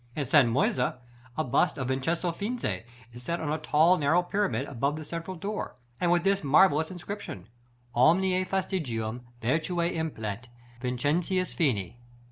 In San Moisè, a bust of Vincenzo Fini is set on a tall narrow pyramid, above the central door, with this marvellous inscription: "OMNE FASTIGIVM VIRTVTE IMPLET VINCENTIVS FINI."